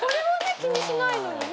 気にしないのにね。